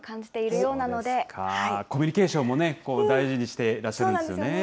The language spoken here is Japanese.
そうですか、コミュニケーションもね、大事にしてらっしゃるんですよね。